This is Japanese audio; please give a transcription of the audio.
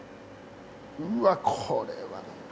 うわこれは。